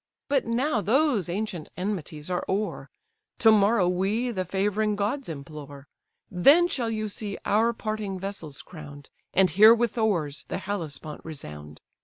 But now those ancient enmities are o'er; To morrow we the favouring gods implore; Then shall you see our parting vessels crown'd, And hear with oars the Hellespont resound.